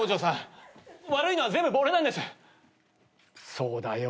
そうだよ？